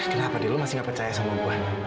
kenapa dil lo masih gak percaya sama gue